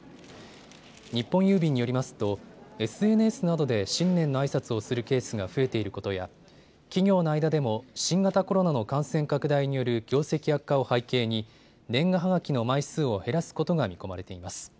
日本郵便によりますとＳＮＳなどで新年のあいさつをするケースが増えていることや企業の間でも新型コロナの感染拡大による業績悪化を背景に年賀はがきの枚数を減らすことが見込まれています。